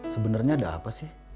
sebenarnya ada apa sih